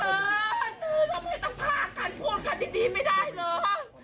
เราไม่ต้องฆ่ากันพวกคันดีไม่ได้เหรอ